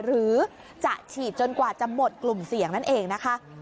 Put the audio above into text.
หรือจะฉีดจนกว่าจะหมดกลุ่มเสี่ยงนั่นเองนะคะ